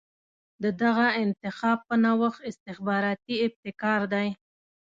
د دغه انتخاب په نوښت استخباراتي ابتکار دی.